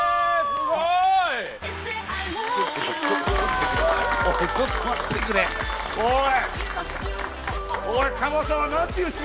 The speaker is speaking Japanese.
すごーい！